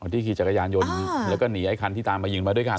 อ๋อที่ขี่จักรยานโยนแล้วก็หนีไอ้คันที่ตามไปยิงมาด้วยกัน